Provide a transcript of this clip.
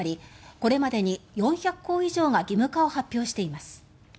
これまでに４００校以上が義務化を発表しています。